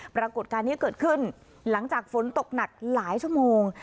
ปรากฏการณ์นี้เกิดขึ้นหลังจากฝนตกหนักหลายชั่วโมง